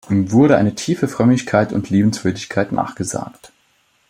Ihm wurde eine tiefe Frömmigkeit und Liebenswürdigkeit nachgesagt.